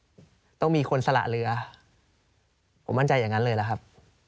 ใช่ล่ะต้องมีคนสละเรือผมมั่นใจอย่างนั้นก็เลยนะครับ